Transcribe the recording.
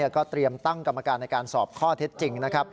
ก็เตรียมตั้งกรรมการในการสอบข้อเท็จจริงนะครับ